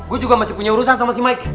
gue juga masih punya urusan sama si mike